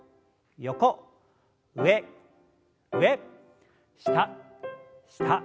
上上下下。